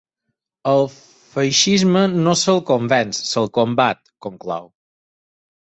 Al feixisme no se’l convenç, se’l combat, conclou.